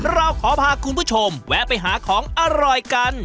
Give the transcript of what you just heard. เราขอพาคุณผู้ชมแวะไปหาของอร่อยกัน